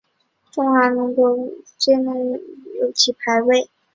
中华民国国防部军事情报局戴笠纪念馆内的忠烈堂有其牌位。